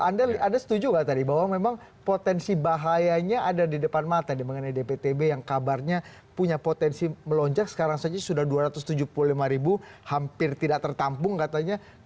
anda setuju nggak tadi bahwa memang potensi bahayanya ada di depan mata mengenai dptb yang kabarnya punya potensi melonjak sekarang saja sudah dua ratus tujuh puluh lima ribu hampir tidak tertampung katanya